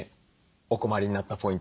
お困りになったポイント